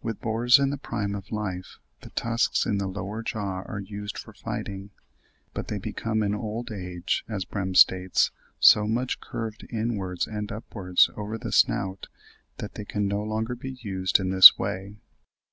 With boars in the prime of life (Fig. 65) the tusks in the lower jaw are used for fighting, but they become in old age, as Brehm states, so much curved inwards and upwards over the snout that they can no longer be used in this way.